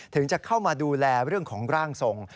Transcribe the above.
ถึงจะเข้ามาดูแลเรื่องของร่างทรง